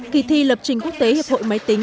kỳ thi lập trình quốc tế hiệp hội máy tính